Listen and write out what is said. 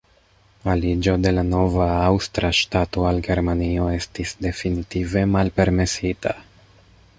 Aliĝo de la nova aŭstra ŝtato al Germanio estis definitive malpermesita.